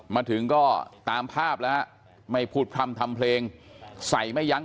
มาถึงก็ตามภาพแล้วฮะไม่พูดพร่ำทำเพลงใส่ไม่ยั้ง